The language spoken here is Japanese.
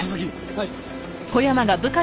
はい。